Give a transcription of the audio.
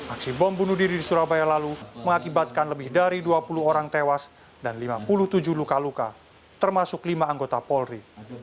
aksi bom bunuh diri di surabaya lalu mengakibatkan lebih dari dua puluh orang tewas dan lima puluh tujuh luka luka termasuk lima anggota polri